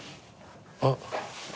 あっ。